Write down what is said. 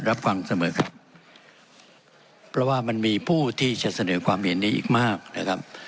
รับฟังเสมอครับเพราะว่ามันมีผู้ที่จะเสนอความเห็นนี้อีกมากนะครับ